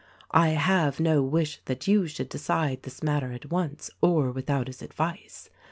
I have no wish that you should decide this matter at once or without his advice.